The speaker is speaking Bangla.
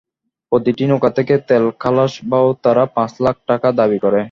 প্রতিটি নৌকা থেকে তেল খালাস বাবদ তারা পাঁচ লাখ টাকা দাবি করে।